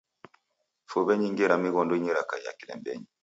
Fuw'e nyingi ra mighondinyi rakaia kilembenyi.